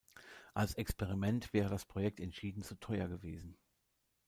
Als Experiment wäre das Projekt entschieden zu teuer gewesen.